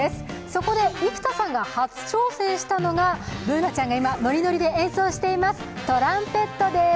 そこで幾田さんが初挑戦したのが、Ｂｏｏｎａちゃんが今、ノリノリで演奏していますトランペットです。